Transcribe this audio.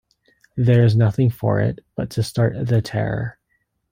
There is nothing for it, but to start the Terror.